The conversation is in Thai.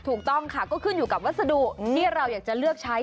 ถูกต้องค่ะก็ขึ้นอยู่กับวัสดุที่เราอยากจะเลือกใช้